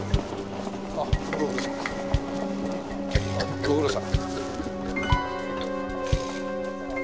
ご苦労さん。